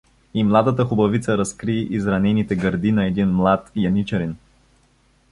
И младата хубавица разкри изранените гърди на един млад яничарин.